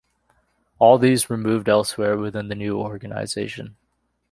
All these were moved elsewhere within the new organisation.